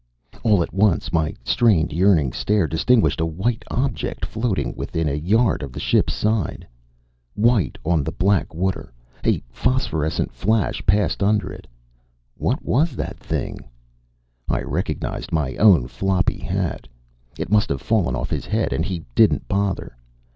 All at once my strained, yearning stare distinguished a white object floating within a yard of the ship's side. White on the black water. A phosphorescent flash passed under it. What was that thing?... I recognized my own floppy hat. It must have fallen off his head... and he didn't bother.